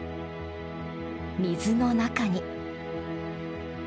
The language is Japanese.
水の中に。